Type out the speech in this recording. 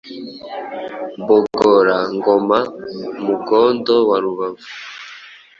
Bogora- ngoma, Mugondo wa Rubavu.